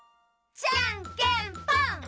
じゃんけんぽん！